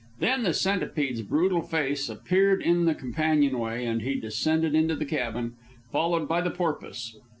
Then the Centipede's brutal face appeared in the companionway, and he descended into the cabin, followed by the Porpoise.